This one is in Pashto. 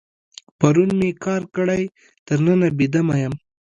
پرون مې کار کړی، تر ننه بې دمه یم.